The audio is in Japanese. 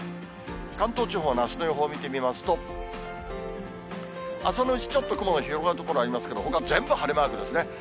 関東地方のあすの予報を見てみますと、朝のうちちょっと雲が広がる所ありますけれども、ほか、全部晴れマークですね。